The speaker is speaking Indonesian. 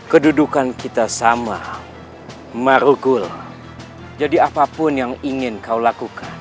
kedudukan kita sama marugul jadi apapun yang ingin kau